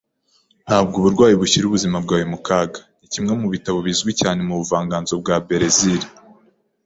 Ntabwo uburwayi bushyira ubuzima bwawe mu kaga. Ni kimwe mu bitabo bizwi cyane mu buvanganzo bwa Berezile.